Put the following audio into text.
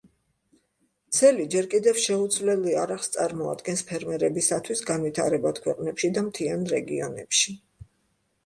ცელი ჯერ კიდევ შეუცვლელ იარაღს წარმოადგენს ფერმერებისათვის განვითარებად ქვეყნებში და მთიან რეგიონებში.